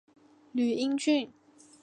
汝阴郡。